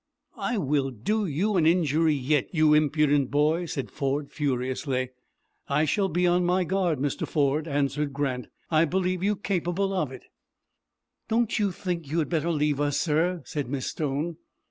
"I will do you an injury yet, you impudent boy," said Ford, furiously. "I shall be on my guard, Mr. Ford," answered Grant. "I believe you capable of it." "Don't you think you had better leave us, sir?" said Miss Stone.